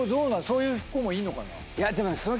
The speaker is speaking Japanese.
そういう子もいるのかな？